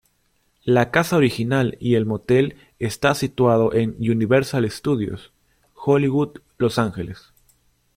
La casa original y el motel está situado en Universal Studios, Hollywood, Los Angeles.